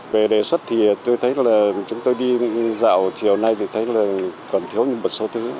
về đề xuất thì tôi thấy là chúng tôi đi dạo chiều nay thì thấy là còn thiếu như một số thứ